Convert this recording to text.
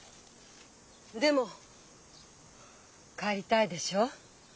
でも帰りたいでしょう？